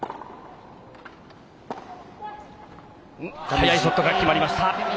速いショットが決まりました。